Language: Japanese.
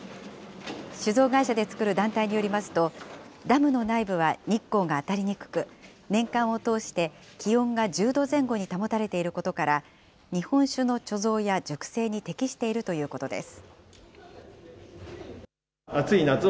酒造会社でつくる団体によりますと、ダムの内部は日光が当たりにくく、年間を通して気温が１０度前後に保たれていることから、日本酒の貯蔵や熟成に適しているということです。